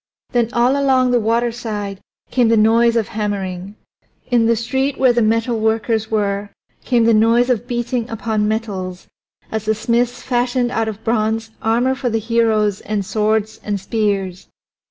Then all along the waterside came the noise of hammering; in the street where the metalworkers were came the noise of beating upon metals as the smiths fashioned out of bronze armor for the heroes and swords and spears.